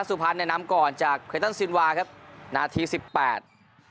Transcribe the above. สุพรณแนะนำก่อนจากครับนาทิสิบแปด